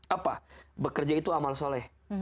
apa bekerja itu amal soleh